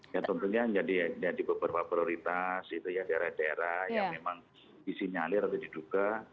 ya tentunya jadi beberapa prioritas itu ya daerah daerah yang memang disinyalir atau diduga